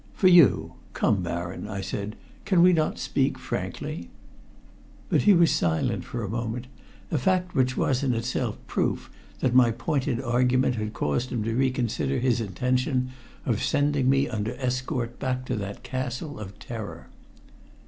"For you. Come, Baron," I said, "can we not yet speak frankly?" But he was silent for a moment, a fact which was in itself proof that my pointed argument had caused him to reconsider his intention of sending me under escort back to that castle of terror.